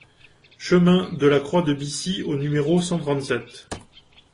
Chemin de la Croix de Bissy au numéro cent trente-sept